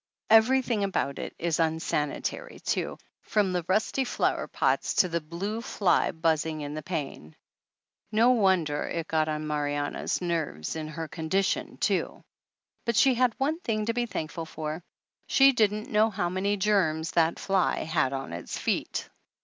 Everything about it is unsanitary, too, from the rusty flower pots to the blue fly "buzzing in the pane." No won der it got on Marianna's nerves, in her condi tion, too ! But she had one thing to be thankful for she didn't know how many germs that fly had on its feet!